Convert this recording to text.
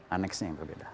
annexnya yang berbeda